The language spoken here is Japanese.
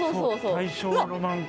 「大正ロマン館」。